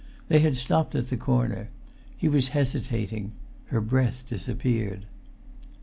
They had stopped at the corner; he was hesitating: her breath disappeared.